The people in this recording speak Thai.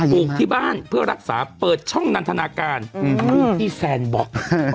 ลูกที่บ้านเพื่อรักษาเปิดช่องนันทนาการที่แซนบอก